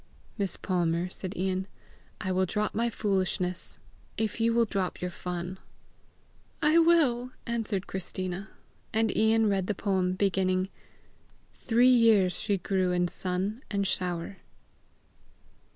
"Miss Palmer," said Ian, "I will drop my foolishness, if you will drop your fun." "I will," answered Christina. And Ian read them the poem beginning "Three years she grew in sun and shower."